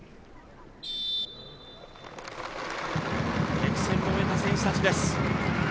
激戦を終えた選手たちです。